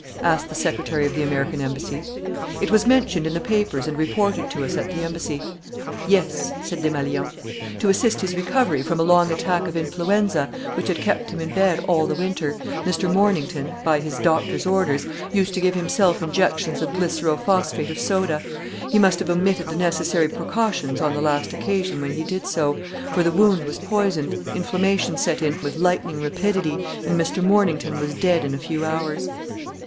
asked the secretary of the American Embassy. "It was mentioned in the papers and reported to us at the embassy." "Yes," said Desmalions. "To assist his recovery from a long attack of influenza which had kept him in bed all the winter, Mr. Mornington, by his doctor's orders, used to give himself injections of glycero phosphate of soda. He must have omitted the necessary precautions on the last occasion when he did so, for the wound was poisoned, inflammation set in with lightning rapidity, and Mr. Mornington was dead in a few hours."